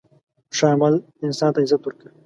ښه عمل انسان ته عزت ورکوي.